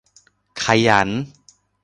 ขยัน